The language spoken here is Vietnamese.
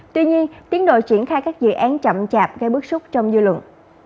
tuy nhiên tiến đội triển khai các dự án chậm chạp gây bức xúc trong dư luận